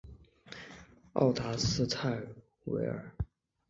奥达斯泰韦尔。